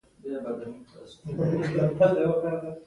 نه شي پوهېدای چې په څه رنګه نړۍ کې اوسېږي.